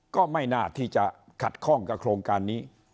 ก็ไม่น่าที่จะขัดข้องกับโครงการนี้